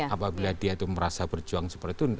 apabila dia itu merasa berjuang seperti itu